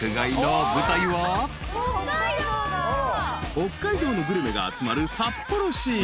［北海道のグルメが集まる］